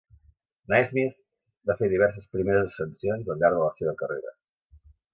Naismith va fer diverses primeres ascensions al llarg de la seva carrera.